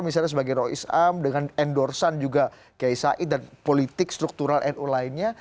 misalnya sebagai rokisam dengan endorse an juga kiai said dan politik struktural nu lainnya